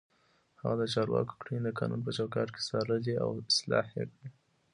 هغه د چارواکو کړنې د قانون په چوکاټ کې څارلې او اصلاح يې کړې.